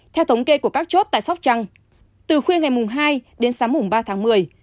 theo tống kê của các chốt tại sóc trăng từ khuya ngày mùng hai đến sáng mùng ba tháng một mươi